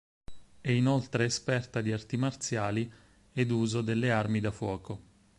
È inoltre esperta di arti marziali ed uso delle armi da fuoco.